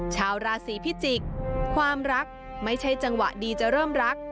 ชาวราศีพิจิกษ์ความรักไม่ใช่จังหวะดีจะเริ่มรัก